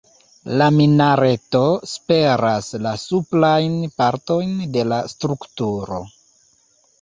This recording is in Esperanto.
La minareto superas la suprajn partojn de la strukturo.